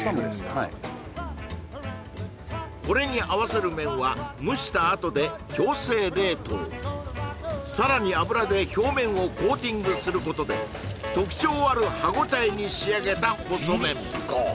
はいこれに合わせる麺は蒸したあとで強制冷凍さらに油で表面をコーティングすることで特徴ある歯応えに仕上げた細麺